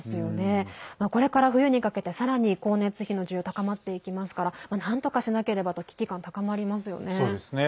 これから冬にかけてさらに光熱費の需要高まっていきますからなんとかしなければと危機感高まりますよね。